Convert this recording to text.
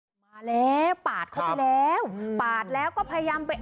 มาแล้วปาดเข้าไปแล้วปาดแล้วก็พยายามไป